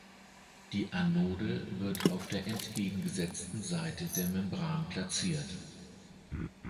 Die Anode wird auf der entgegengesetzten Seite der Membran platziert.